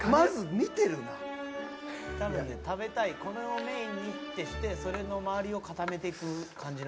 多分ね食べたいこれをメインにってしてそれの周りを固めていく感じ。